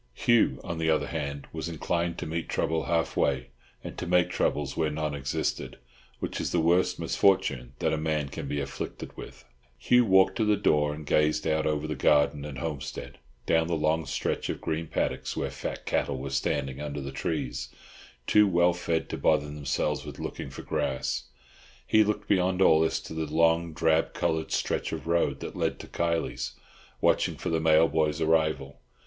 Hugh, on the other hand, was inclined to meet trouble half way, and to make troubles where none existed, which is the worst misfortune that a man can be afflicted with. Hugh walked to the door and gazed out over the garden and homestead, down the long stretch of green paddocks where fat cattle were standing under the trees, too well fed to bother themselves with looking for grass. He looked beyond all this to the long drab coloured stretch of road that led to Kiley's, watching for the mailboy's arrival.